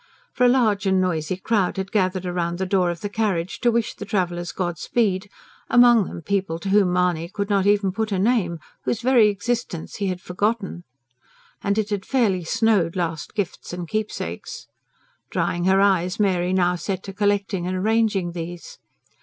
For a large and noisy crowd had gathered round the door of the carriage to wish the travellers god speed, among them people to whom Mahony could not even put a name, whose very existence he had forgotten. And it had fairly snowed last gifts and keepsakes. Drying her eyes, Mary now set to collecting and arranging these.